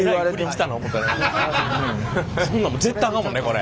そんなん絶対あかんもんねこれ。